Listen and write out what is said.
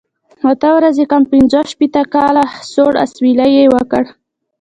اته ورځې کم پنځه شپېته کاله، سوړ اسویلی یې وکړ.